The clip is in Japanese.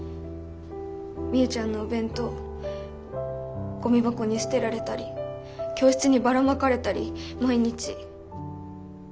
みゆちゃんのお弁当ゴミ箱に捨てられたり教室にばらまかれたり毎日。